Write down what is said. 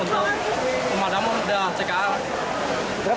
untuk pemadam udah cekal